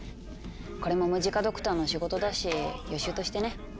これもムジカドクターの仕事だし予習としてね。